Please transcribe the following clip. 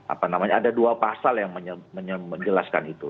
apa namanya ada dua pasal yang menjelaskan itu